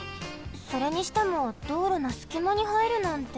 それにしてもどうろのすきまにはえるなんて。